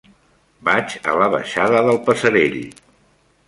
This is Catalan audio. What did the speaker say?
Vaig a la baixada del Passerell.